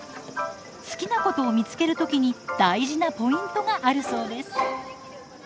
好きなことを見つける時に大事なポイントがあるそうです。